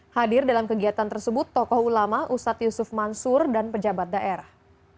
hadir dalam kegiatan tersebut tokoh ulama ustadz yusuf mansur dan pejabat daerah